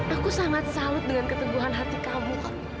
aku sangat salut dengan keteguhan hati kamu